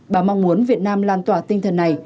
bà mong muốn việt nam lan tỏa tinh thần này